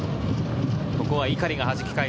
ここは碇が弾き返す。